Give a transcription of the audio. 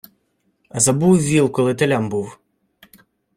Забув віл, коли телям був.